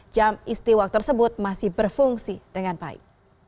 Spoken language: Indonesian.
jam istiwa tersebut masih berfungsi dengan baik